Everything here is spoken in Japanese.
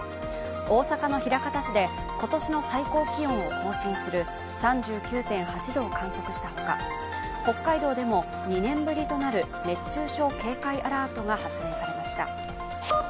大阪の枚方市で今年の最高気温を更新する３９．８度を観測したほか北海道でも２年ぶりとなる熱中症警戒アラートが発令されました。